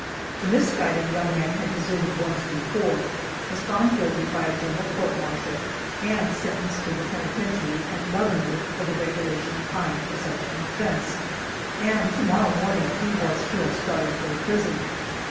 The misguided young man had deserted once before, was found guilty by a general court martial, and sentenced to the penitentiary at Leavenworth for the regulation time for such an offense, and to morrow morning he was to have started for the prison.